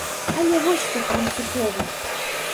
Але вось што прынцыпова.